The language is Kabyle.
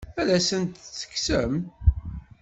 Ad asent-t-tekksem?